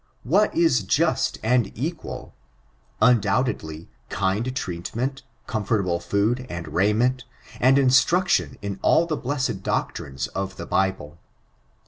What is just and equal f Undoubtedly, kind treatment; comfortable food, and raiment, and instruction in all the blessed doctrines of the Bible.